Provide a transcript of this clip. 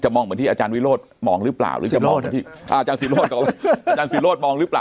มองเหมือนที่อาจารย์วิโรธมองหรือเปล่าหรือจะมองเหมือนที่อาจารย์ศิโรธกับอาจารย์ศิโรธมองหรือเปล่า